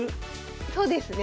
そうですね。